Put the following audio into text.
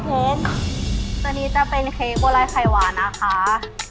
ตอนนี้จะเป็นเค้กบัวรอยไข่หวานนะคะ